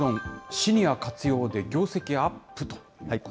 シニア活用で業績アップと。